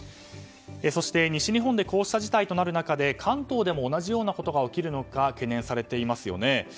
そして、西日本でこうした事態となる中で関東でも同じようなことが起こるのか懸念されていますね。